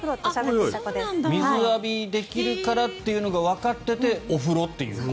水浴びできるからっていうのがわかっていてお風呂っていう子。